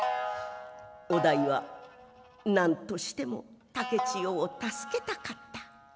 於大は何としても竹千代を助けたかった。